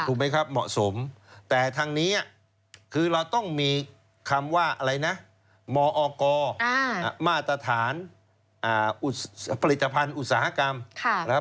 ถูกมั้ยครับเหมาะสมแต่ทางนี้คือเราต้องมีคำว่ามอกมาตรฐานผลิตภัณฑ์อุตสาหกรรม